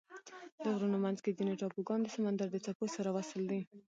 د غرونو منځ کې ځینې ټاپوګان د سمندر د څپو سره وصل دي.